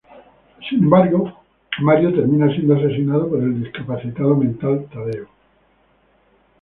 Sin embargo, Mario termina siendo asesinado por el discapacitado mental Tadeo.